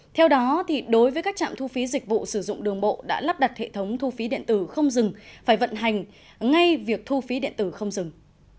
theo đó đối với các trạm thu phí dịch vụ sử dụng đường bộ đã lắp đặt hệ thống thu phí điện tử không dừng phải vận hành ngay việc thu phí điện tử không dừng